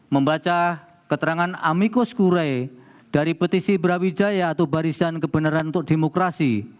membaca keterangan amikos kure dari petisi brawijaya atau barisan kebenaran untuk demokrasi